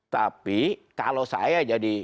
tapi kalau saya jadi